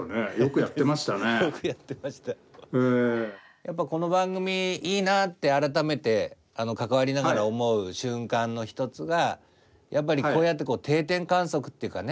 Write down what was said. やっぱこの番組いいなって改めて関わりながら思う瞬間の一つがやっぱりこうやって定点観測っていうかね